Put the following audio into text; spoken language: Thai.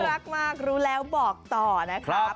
รักมากรู้แล้วบอกต่อนะครับ